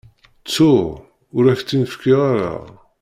Ttuɣ, ur ak-tt-in-fkiɣ ara.